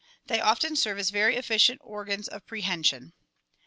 They often serve as very efficient organs of prehension.